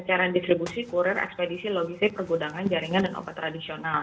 cairan distribusi kurir ekspedisi logistik pergudangan jaringan dan obat tradisional